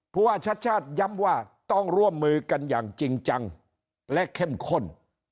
ผู้ว่าชาติชาติย้ำว่าต้องร่วมมือกันอย่างจริงจังและเข้มข้น